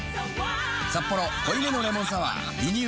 「サッポロ濃いめのレモンサワー」リニューアル